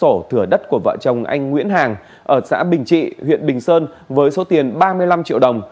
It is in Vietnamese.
thủ tục tách sổ thửa đất của vợ chồng anh nguyễn hàng ở xã bình trị huyện bình sơn với số tiền ba mươi năm triệu đồng